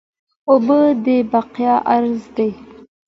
اوبه د بقا راز دي